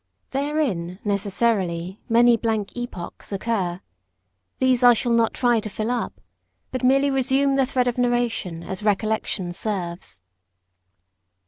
Therein, necessarily, many blank epochs occur. These I shall not try to fill up, but merely resume the thread of narration as recollection serves.